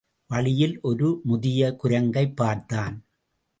வழியில் ஒரு முதிய குரங்கைப் பார்த்தான்.